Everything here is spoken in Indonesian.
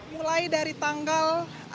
mulai dari tanggal